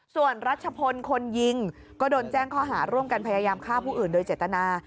ส่วนรัชพลคนยิงก็โดนแจ้งข้อหาร่วมกันพยายามฆ่าผู้อื่นโดยเจตนา